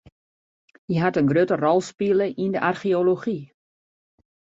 Hy hat in grutte rol spile yn de archeology.